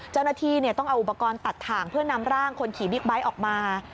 เจ้าหน้าที่ต้องเอาอุปกรณ์ตัดถ่างเพื่อนำร่างคนขี่บิ๊กไบท์ออกมา